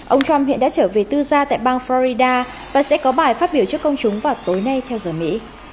ông trump hiện đã trở về tư gia tại bang florida và sẽ có bài phát biểu trước công chúng vào tối nay theo giờ mỹ